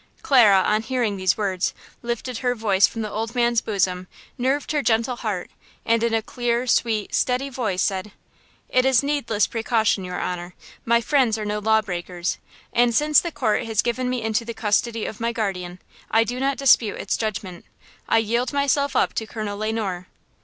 Clara, on hearing these words, lifted her head from the old man's bosom, nerved her gentle heart, and in a clear, sweet, steady voice said: "It is needless precaution, your honor; my friends are no law breakers, and since the court has given me into the custody of my guardian, I do not dispute its judgment. I yield myself up to Colonel Le Noir."